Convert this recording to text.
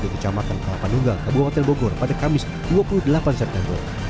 di kecamatan kelapa nunggal kabupaten bogor pada kamis dua puluh delapan september